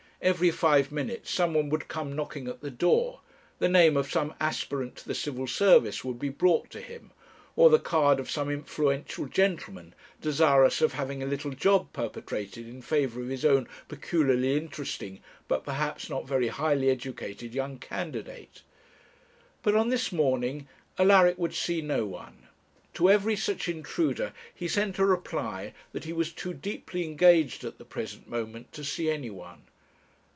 Every five minutes some one would come knocking at the door; the name of some aspirant to the Civil Service would be brought to him, or the card of some influential gentleman desirous of having a little job perpetrated in favour of his own peculiarly interesting, but perhaps not very highly educated, young candidate. But on this morning Alaric would see no one; to every such intruder he sent a reply that he was too deeply engaged at the present moment to see any one.